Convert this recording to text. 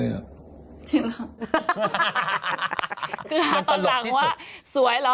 คือหาตอนหลังว่าสวยเหรอ